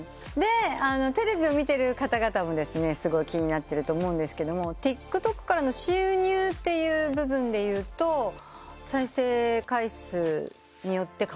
テレビを見てる方々もすごい気になってると思うんですがＴｉｋＴｏｋからの収入っていう部分でいうと再生回数によって変わるって感じですか？